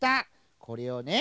これをね